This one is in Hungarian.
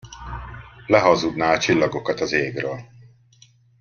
Lehazudná a csillagokat az égről.